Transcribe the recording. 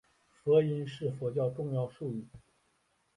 佛音是佛教重要术语。